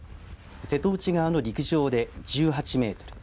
瀬戸内側の陸上で１８メートル